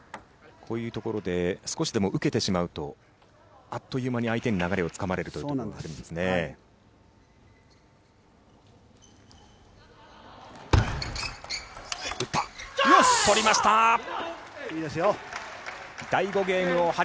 こういうところで少しでも受けてしまうと、あっという間に相手に流れをつかまれるということがありますよね。